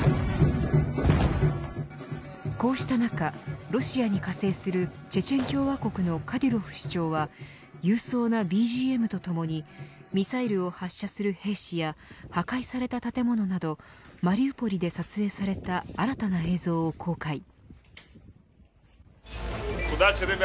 こうした中ロシアに加勢するチェチェン共和国のカディロフ首長は勇壮なＢＧＭとともにミサイルを発射する兵士や破壊された建物等マリウポリで撮影された新たな映像を公開。